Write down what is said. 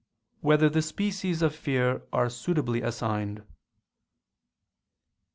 4] Whether the Species of Fear Are Suitably Assigned?